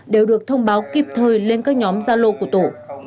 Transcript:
đều được thông báo kịp thời lên các nhóm gia lô của tổ